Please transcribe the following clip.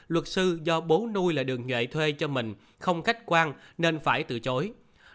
luật sư do bố nuôi là đường nhuệ thuê cho mình không khách quan nên phải từ chối